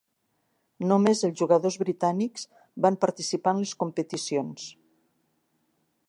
Només els jugadors britànics van participar en les competicions.